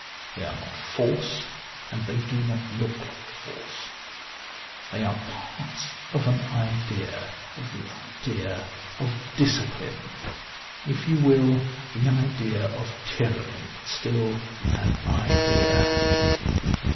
They are not Force, and they do not look like Force. They are parts of an idea, of the idea of discipline ; if you will, of the idea of tyranny ; but still an idea.